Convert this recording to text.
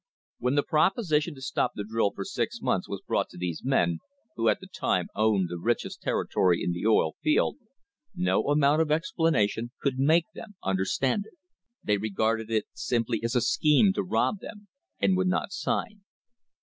When the proposi "AN UNHOLY ALLIANCE" tion to stop the drill for six months was brought to these men, who at the time owned the richest territory in the oil field, no amount of explanation could make them understand it. They regarded it simply as a scheme to rob them, and would not sign.